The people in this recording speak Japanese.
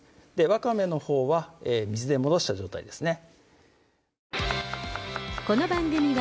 わかめのほうは事前に戻した状態ですね